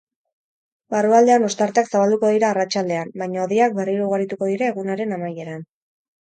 Barrualdean ostarteak zabalduko dira arratsaldean, baina hodeiak berriro ugarituko dira egunaren amaieran.